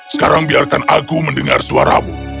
sekarang biarkan aku mendengar suaramu